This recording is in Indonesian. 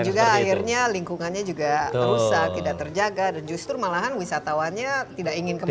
dan juga akhirnya lingkungannya juga rusak tidak terjaga dan justru malahan wisatawannya tidak ingin kembali